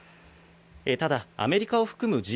ただ、アメリカを含むＧ７